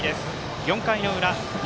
４回の裏西